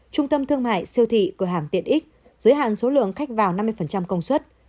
trung tâm thương mại siêu thị cửa hàng tiện ích giới hạn số lượng khách vào năm mươi công suất